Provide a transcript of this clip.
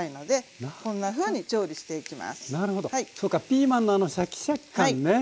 そうかピーマンのあのシャキシャキ感ね。